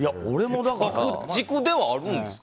爆竹ではあるんですか？